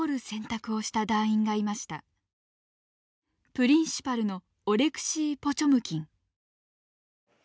プリンシパルのオレクシー・ポチョムキン。